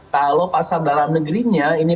kalau pasar dalam negerinya ini